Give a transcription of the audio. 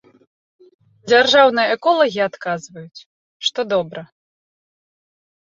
Дзяржаўныя эколагі адказваюць, што добра.